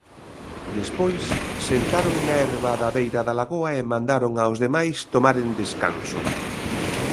Despois sentaron na herba da beira da lagoa e mandaron aos demais tomaren descanso.